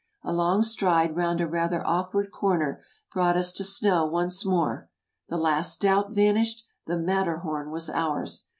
A long stride round a rather awkward corner brought us to snow once more. The last doubt vanished ! The Matterhorn was ours